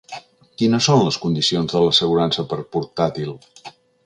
Quines són les condicions de l'assegurança per portàtil?